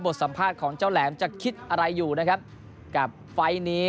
สัมภาษณ์ของเจ้าแหลมจะคิดอะไรอยู่นะครับกับไฟล์นี้